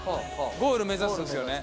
ゴール目指すんですよね。